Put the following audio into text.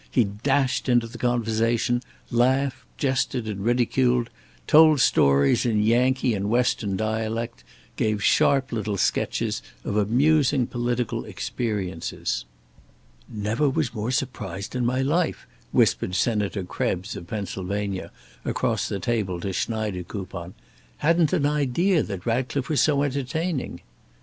He dashed into the conversation; laughed, jested, and ridiculed; told stories in Yankee and Western dialect; gave sharp little sketches of amusing political experiences. "Never was more surprised in my life," whispered Senator Krebs, of Pennsylvania, across the table to Schneidekoupon. "Hadn't an idea that Ratcliffe was so entertaining."